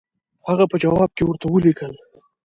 هغه په جواب کې ورته ولیکل.